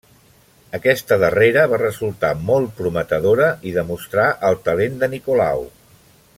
Aquesta darrera va resultar molt prometedora i demostrà el talent de Nicolau.